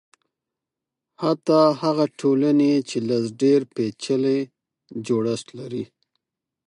حتی هغه ټولنې چې ډېر لږ پېچلی جوړښت لري.